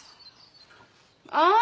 あ！